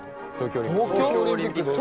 東京オリンピック。